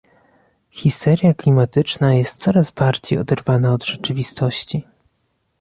Histeria klimatyczna jest coraz bardziej oderwana od rzeczywistości